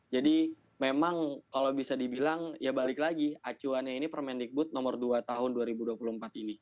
jadi memang kalau bisa dibilang ya balik lagi acuannya ini permendikbud nomor dua tahun dua ribu dua puluh empat ini